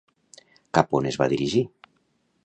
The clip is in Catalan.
Cap on es va dirigir?